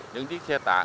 những chiếc xe tả